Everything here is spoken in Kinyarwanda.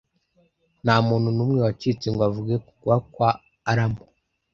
Ntamuntu numwe wacitse ngo avuge kugwa kwa Alamo,